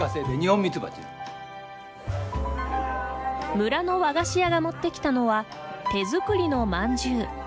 村の和菓子屋が持ってきたのは手作りのまんじゅう。